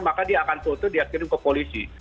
maka dia akan tertutup dan dikirim ke polisi